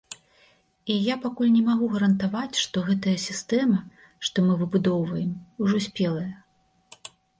І я пакуль не магу гарантаваць, што гэтая сістэма, што мы выбудоўваем, ужо спелая.